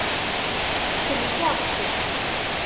Sellkeɣ-tt.